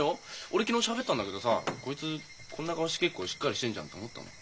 俺昨日しゃべったんだけどさこいつこんな顔して結構しっかりしてんじゃんって思ったもん。